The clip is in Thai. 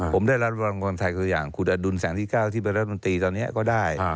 ผมได้รับรับรวมคนไทยตัวอย่างขุดอดุลแสงที่๙ที่บรรดนตรีตอนนี้ก็ได้